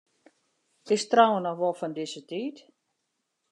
Is trouwen noch wol fan dizze tiid?